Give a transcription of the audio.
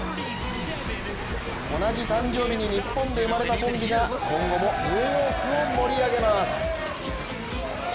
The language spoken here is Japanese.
同じ誕生日に日本で生まれたコンビが、今後もニューヨークを盛り上げます。